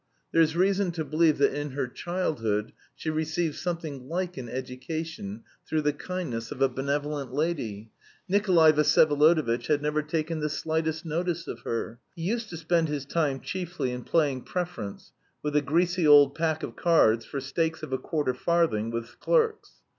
There's reason to believe that in her childhood she received something like an education through the kindness of a benevolent lady. Nikolay Vsyevolodovitch had never taken the slightest notice of her. He used to spend his time chiefly in playing preference with a greasy old pack of cards for stakes of a quarter farthing with clerks.